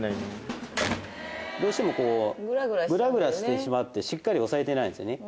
どうしてもこうグラグラしてしまってしっかり押さえてないんですよね。